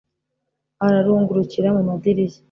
ararungurukira mu madirishya